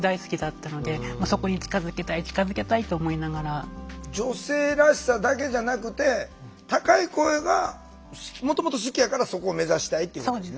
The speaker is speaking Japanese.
歌とかでも女性らしさだけじゃなくて高い声がもともと好きやからそこを目指したいっていうことですね。